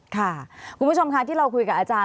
ค่ะคุณผู้ชมค่ะที่เราคุยกับอาจารย์